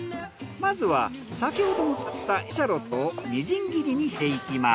まずは先ほども使ったエシャロットをみじん切りにしていきます。